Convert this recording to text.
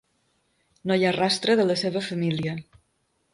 No hi ha rastre de la seva família.